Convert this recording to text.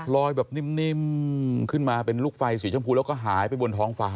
แบบนิ่มขึ้นมาเป็นลูกไฟสีชมพูแล้วก็หายไปบนท้องฟ้า